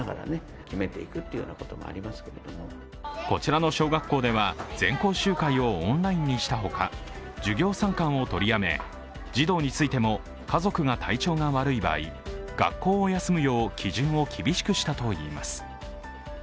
こちらの小学校では全校集会をオンラインにした他、授業参観を取りやめ、児童についても家族が体調が悪い場合、学校を休むよう基準を厳しくしたといいます。